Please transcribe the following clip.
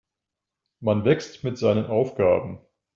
Man wächst mit seinen Aufgaben.